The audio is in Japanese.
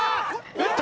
打った！